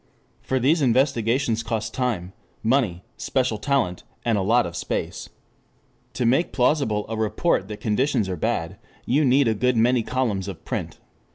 For these investigations cost time, money, special talent, and a lot of space. To make plausible a report that conditions are bad, you need a good many columns of print.